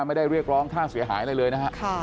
ไม่ได้เรียกร้องค่าเสียหายอะไรเลยนะฮะ